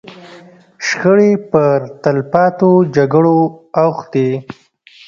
شخړې پر تلپاتو جګړو اوښتې.